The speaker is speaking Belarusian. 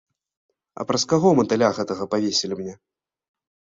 А праз каго матыля гэтага павесілі мне?